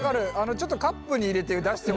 ちょっとカップに入れて出してほしい。